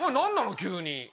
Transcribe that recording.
急に。